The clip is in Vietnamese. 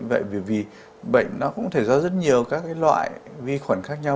vì bệnh nó cũng có thể do rất nhiều các loại vi khuẩn khác nhau